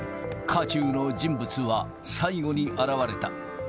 渦中の人物は、最後に現れた。